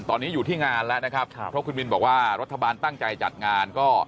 ตอนนี้อยู่ที่งานแล้วนะครับเพราะคุณบินบอกว่ารัฐบาลตั้งใจจัดงานก็